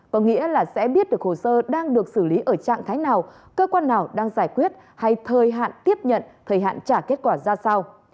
có nghĩa là sẽ biết được hồ sơ đang được xử lý ở trạng thái nào cơ quan nào đang giải quyết hay thời hạn tiếp nhận thời hạn trả kết quả ra sao